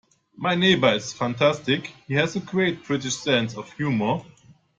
My neighbour is fantastic; he has a great British sense of humour.